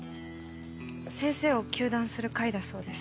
先生を糾弾する会だそうです。